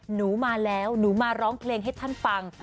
หนูมาแล้วหนูมาร้องเพลงให้ท่านฟัง